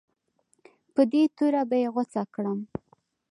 په دې توره به یې غوڅه کړم.